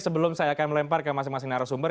sebelum saya akan melempar ke masing masing narasumber